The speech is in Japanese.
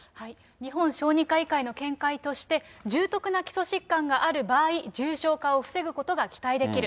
日本小児科医会の見解として、重篤な基礎疾患がある場合、重症化を防ぐことが期待できる。